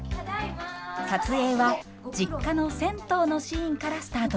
撮影は実家の銭湯のシーンからスタートしました。